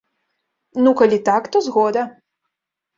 Ну, калі так, то згода!